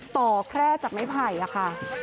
ต่อแคล้จากไม้ภัยอะคะ